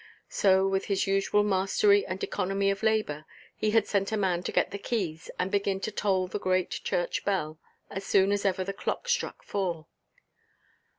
So with his usual mastery and economy of labour, he had sent a man to get the keys and begin to toll the great church bell, as soon as ever the clock struck four.